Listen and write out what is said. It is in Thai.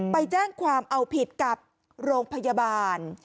ไปแจ้งความเอาผิดกับโรงพยาบาล